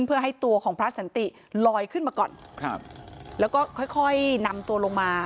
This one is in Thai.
เพื่อให้ตัวของพระสันติลอยขึ้นมาก่อนครับแล้วก็ค่อยค่อยนำตัวลงมา